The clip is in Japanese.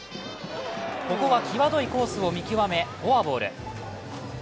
ここはきわどいコースを見極め、フォアボール。